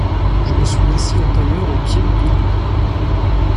Je me suis assis en tailleur au pied du pilier.